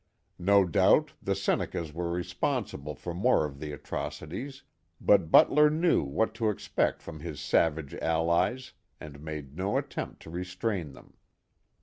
No doubt the Senecas were responsible for most of the atroci ties, but Butler knew what to expect from his savage allies, and made no attempt to restrain them.